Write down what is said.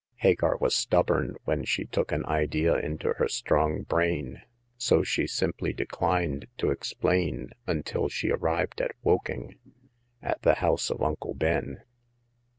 Hagar was stubborn when she took an idea into her strong brain ; so she simply declined to explain until she arrived at Woking — at the house of Uncle Ben.